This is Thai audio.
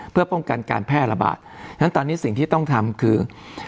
เพื่อป้องกันการแพร่ระบาดฉะนั้นตอนนี้สิ่งที่ต้องทำคือ